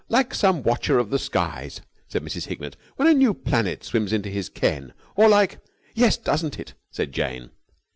"Like some watcher of the skies," said Mrs. Hignett, "when a new planet swims into his ken, or like...." "Yes, doesn't it!" said Jane.